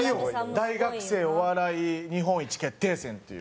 大学生お笑い日本一決定戦っていう。